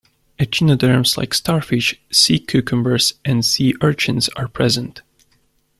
Echinoderms like starfish, sea cucumbers and sea urchins are present.